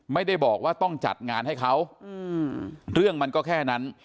ไม่ได้บอกว่าต้องจัดงานให้เขาเรื่องมันก็แค่นั้น